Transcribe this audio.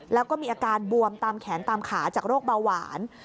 แล้วก็มีอาการบวมตามแขนตามขาจากโรคเบาหวาน